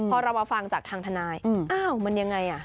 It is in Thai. พอเรามาฟังจากทางทนายอ้าวมันยังไง